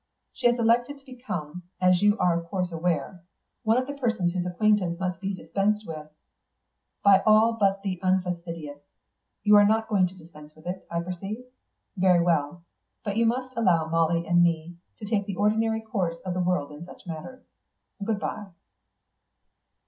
She has elected to become, as you of course are aware, one of the persons whose acquaintance must be dispensed with by all but the unfastidious. You are not going to dispense with it, I perceive? Very well; but you must allow Molly and me to take the ordinary course of the world in such matters. Goodbye."